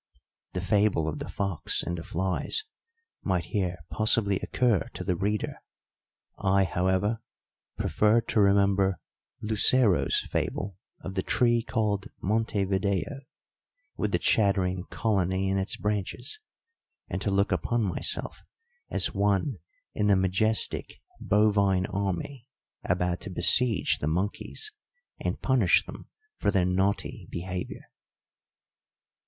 The fable of the fox and the flies might here possibly occur to the reader; I, however, preferred to remember Lucero's fable of the tree called Montevideo, with the chattering colony in its branches, and to look upon myself as one in the majestic bovine army about to besiege the monkeys and punish them for their naughty behaviour.